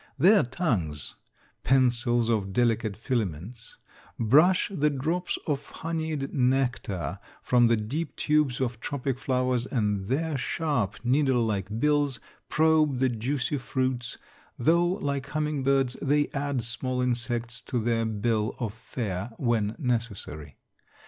Their tongues, "pencils of delicate filaments," brush the drops of honeyed nectar from the deep tubes of tropic flowers and their sharp, needle like bills probe the juicy fruits, though, like humming birds, they adds small insects to their bill of fare when necessary.